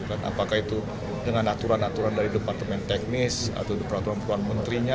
apakah itu dengan aturan aturan dari departemen teknis atau peraturan peraturan menterinya